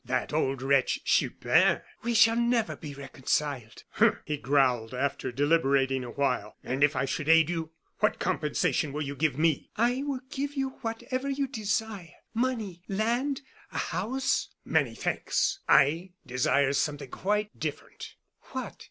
That old wretch, Chupin " "We shall never be reconciled." "Hum!" he growled, after deliberating awhile. "And if I should aid you, what compensation will you give me?" "I will give you whatever you desire money, land, a house " "Many thanks. I desire something quite different." "What?